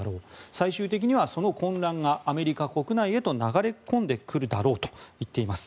最終的には、その混乱がアメリカ国内へと流れ込んでくるだろうと言っています。